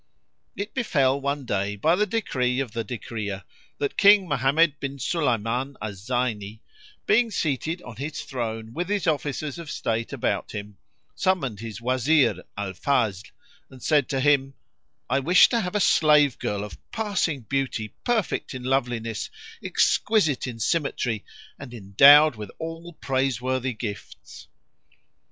It befel one day by the decree of the Decreer, that King Mohammed bin Sulayman al Zayni, being seated on his throne with his officers of state about him, summoned his Wazir Al Fazl and said to him, "I wish to have a slave girl of passing beauty, perfect in loveliness, exquisite in symmetry and endowed with all praiseworthy gifts."